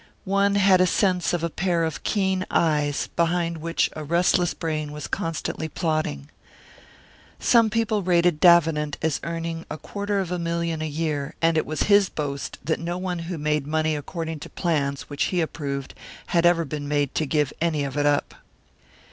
One had a sense of a pair of keen eyes, behind which a restless brain was constantly plotting. Some people rated Davenant as earning a quarter of a million a year, and it was his boast that no one who made money according to plans which he approved had ever been made to give any of it up.